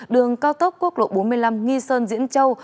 đường cao tốc quốc lộ bốn mươi năm nghi sơn diễn châu